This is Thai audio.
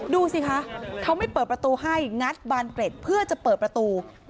ดูสิคะเขาไม่เปิดประตูให้งัดบานเกร็ดเพื่อจะเปิดประตู